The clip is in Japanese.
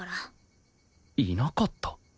いなかった？